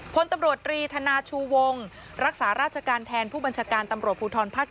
พลตำรวจรีธนาชูวงรักษาราชการแทนผู้บัญชาการตำรวจภูทรภาค๗